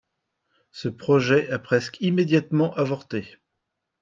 Ce projet a presque immédiatement avorté.